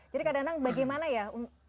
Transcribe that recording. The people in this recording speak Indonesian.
jadi kadang kadang bagaimana ya